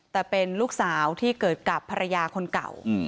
แต่เป็นลูกสาวที่เกิดกับภรรยาคนเก่า